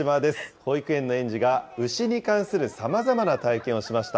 保育園の園児が、牛に関するさまざまな体験をしました。